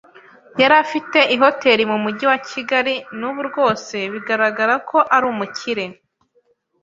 Yari afite Ihoteri mu mugi wa Kigali, n’ubu rwose bigaragara ko ari umukire